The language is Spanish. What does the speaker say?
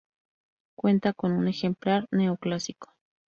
Cuenta con un ejemplar neoclásico.